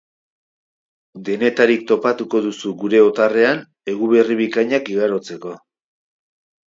Denetarik topatuko duzu gure otarrean eguberri bikainak igarotzeko.